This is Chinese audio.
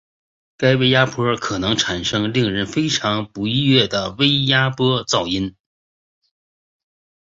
该微压波可能产生令人非常不愉悦的微压波噪音。